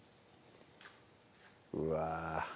うわ